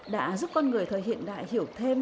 đã giúp con người thời hiện đại hiểu thêm